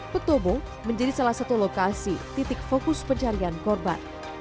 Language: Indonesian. petobo menjadi salah satu lokasi titik fokus pencarian korban